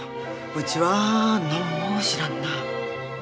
うちは何も知らんな。